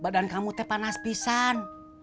badan kamu tepanas pisan